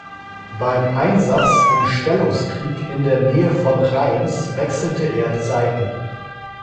Beim Einsatz im Stellungskrieg in der Nähe von Reims wechselte er die Seiten.